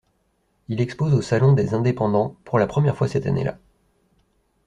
Il expose au Salon des indépendants pour la première fois cette année-là.